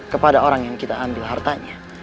kepada orang yang kita ambil hartanya